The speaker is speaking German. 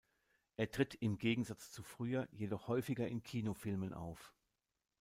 Er tritt im Gegensatz zu früher jedoch häufiger in Kinofilmen auf.